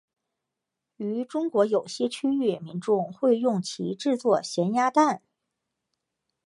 于中国有些区域民众会用其制作咸鸭蛋。